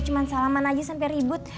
cuman salaman aja sampe ribut